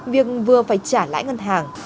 việc vừa phải trả lãi ngân hàng